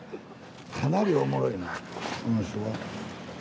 かなりおもろいな。